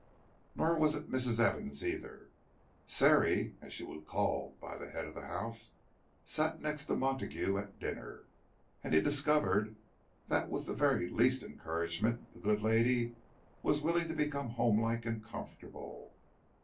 Nor was it Mrs. Evans, either. "Sarey," as she was called by the head of the house, sat next to Montague at dinner; and he discovered that with the very least encouragement, the good lady was willing to become homelike and comfortable.